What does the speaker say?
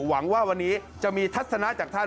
หวังว่าวันนี้จะมีทัศนะจากท่าน